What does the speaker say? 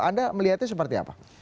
anda melihatnya seperti apa